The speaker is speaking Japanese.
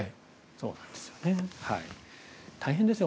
そうなんですよね。